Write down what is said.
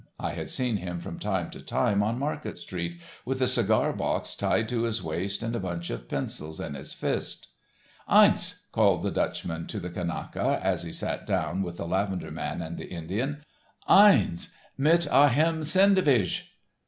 I had seen him from time to time on Market street, with a cigar box tied to his waist and a bunch of pencils in his fist. "Eins!" called the Dutchman to the Kanaka, as he sat down with the lavender man and the Indian. "Eins—mit a hem sendvidge."